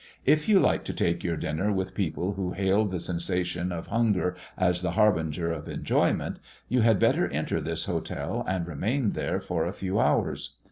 If you like to take your dinner with people who hail the sensation of hunger as the harbinger of enjoyment, you had better enter this hotel and remain there for a few hours.